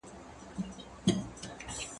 زه کولای سم مځکي ته وګورم!